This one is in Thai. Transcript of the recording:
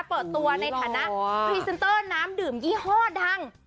เปิดตัวในฐานะพรีเซนเตอร์น้ำดื่มยี่ห้อดัง